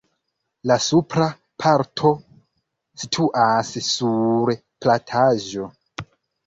La supra parto situas sur plataĵo.